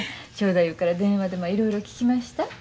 正太夫から電話でいろいろ聞きました。